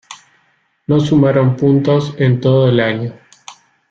No sumaron puntos en todo el año.